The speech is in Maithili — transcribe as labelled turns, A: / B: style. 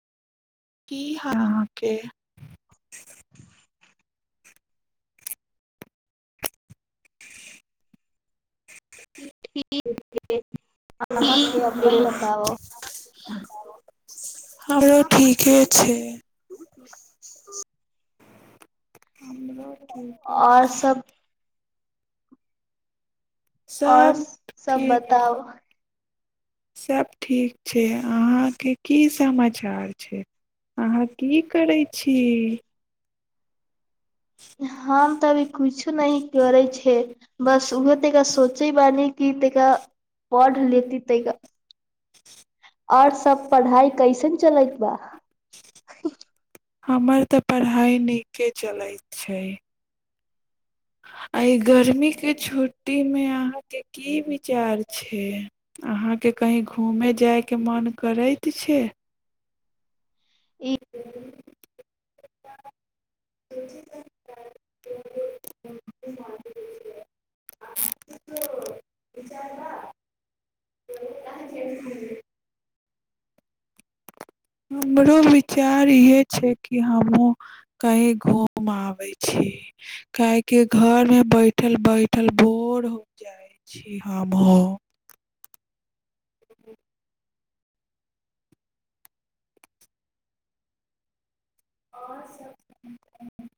A: की हहके [unintelligible] ी
B: अहाँके अपन बताउ
A: [unintelligible] हमरो ठीके छै ह ह हमरो ठीके
B: आओर
A: छै
B: सब आओर
A: सब
B: सब बताउ
A: सभ ठीक छै अहाँके की समाचार छै अहाँ की करै छी
B: हम तऽ अभी कुछु न करै छै बस उहो तऽ क सोचै ब नी क तैक पढ़ लेती तैके आओर सब पढ़ाई कैसन चलैत बा
A: हमर तऽ पढ़ाइ नीके चलैत छै एहि गर्मीके छुट्टीमे अहाँके की विचार छै अहाँके कहीँ घूमेय जायके मोन करैत पछ
B: एक
A: विचार हमरो विचार इएह छै कि हमहूँ कहीँ घूम आबै छी काहेकि घरमे बैठल बैठल बोर हो जाइ छी हमहूँ आओ सब